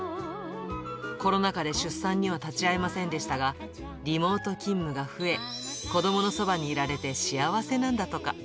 コロナ禍で出産には立ち会えませんでしたが、リモート勤務が増え、子どものそばにいられて幸せなんだとか。